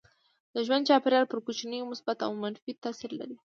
د ژوند چاپيریال پر کوچنیانو مثبت او منفي تاثير لري.